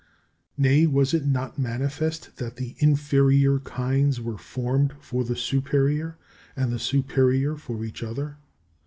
Nay, was it not manifest that the inferior kinds were formed for the superior, and the superior for each other?